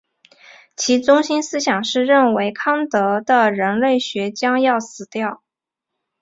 其中心思想是认为康德的人类学将要死掉。